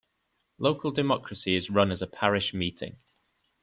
Local democracy is run as a Parish meeting.